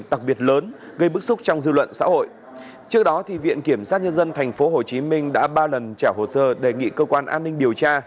trước đó viện kiểm sát nhân dân tp hcm đã ba lần trả hồ sơ đề nghị cơ quan an ninh điều tra